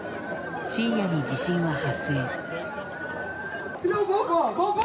深夜に地震は発生。